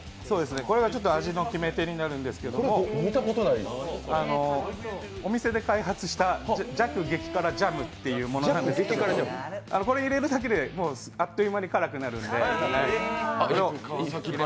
これが味の決め手になるんですけど、お店で開発した弱激辛ジャムというものでこれを入れるだけであっという間に辛くなるので。